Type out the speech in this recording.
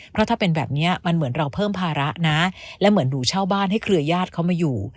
เพราะถ้าเป็นแบบนี้มันเหมือนเราเพิ่มภาระนะและเหมือนหนูเช่าบ้านให้เครือญาติเขามาอยู่